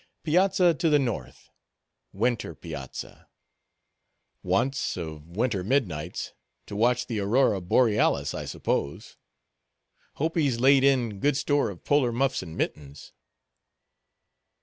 Piazza to the north! Winter piazza! Wants, of winter midnights, to watch the Aurora Borealis, I suppose; hope he's laid in good store of Polar muffs and mittens.